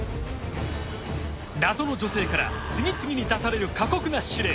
謎の女性から次々に出される過酷な指令。